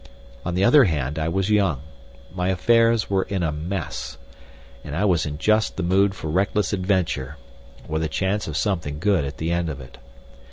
On the other hand I was young, my affairs were in a mess, and I was in just the mood for reckless adventure—with a chance of something good at the end of it.